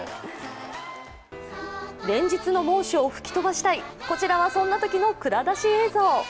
連日の猛暑を吹き飛ばしたい、こちらはそんなときの蔵出し映像。